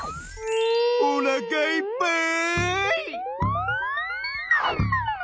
おなかいっぱい！